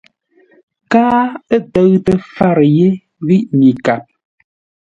Káa ə̂ tə́ʉtə́ fárə yé ghíʼ mi kap.